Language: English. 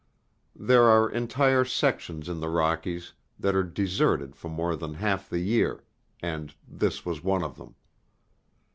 There are entire sections in the Rockies that are deserted for more than half the year, and this was one of them.